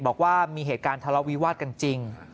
บอกว่ามีเหตุการณ์ทะเลาวิวาสกันจริง